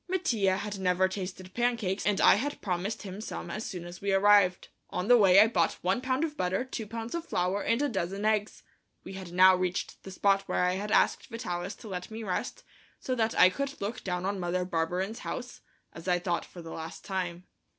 Mattia had never tasted pancakes, and I had promised him some as soon as we arrived. On the way I bought one pound of butter, two pounds of flour and a dozen eggs. We had now reached the spot where I had asked Vitalis to let me rest, so that I could look down on Mother Barberin's house, as I thought for the last time.